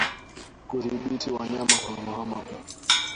Kudhibiti wanyama kuhamahama